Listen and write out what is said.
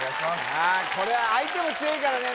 さあこれは相手も強いからね